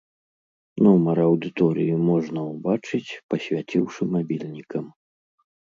Нумар аўдыторыі можна ўбачыць, пасвяціўшы мабільнікам.